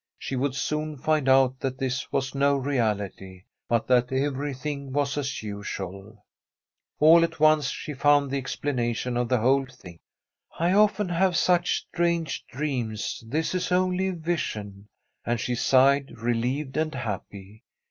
She would soon find out that this was no reality, but that everything was as usual. Tbi STORY of a COUNTRY HOUSE All at once she found the explanation of the whole thing —* I often have such strange dreams. This is only a vision '— and she sighed, relieved and happy.